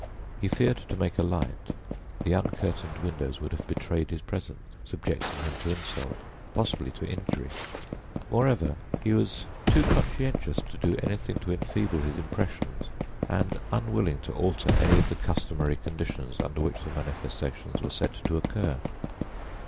He feared to make a light; the uncurtained windows would have betrayed his presence, subjecting him to insult, possibly to injury. Moreover, he was too conscientious to do anything to enfeeble his impressions and unwilling to alter any of the customary conditions under which the manifestations were said to occur.